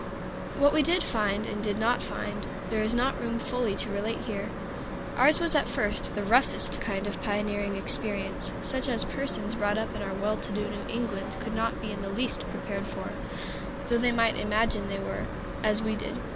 What we did find, and did not find, there is not room fully to relate here. Ours was at first the roughest kind of pioneering experience; such as persons brought up in our well to do New England could not be in the least prepared for, though they might imagine they were, as we did.